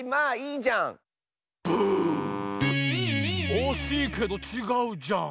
おしいけどちがうじゃん！